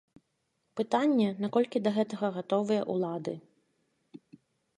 Пытанне, наколькі да гэтага гатовыя ўлады.